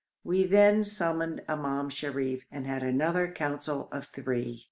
We then summoned Imam Sharif and had another council of three.